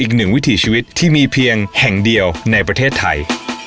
อีกหนึ่งวิถีชีวิตที่มีเพียงแห่งเดียวในประเทศไทย